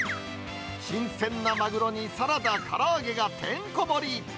新鮮なマグロに、サラダ、から揚げがてんこ盛り。